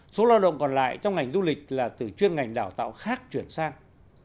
số lao động còn lại trong ngành du lịch là từ chuyên ngành đào tạo khác chuyển sang